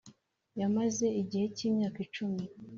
Yamaze igihe cy’imyaka icumi